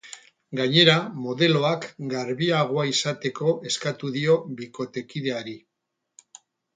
Gainera, modeloak garbiagoa izateko eskatu dio bikotekideari.